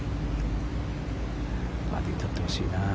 バーディーを取ってほしいな。